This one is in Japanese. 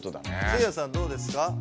せいやさんどうですか？